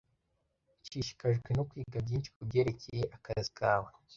Nshishikajwe no kwiga byinshi kubyerekeye akazi kawe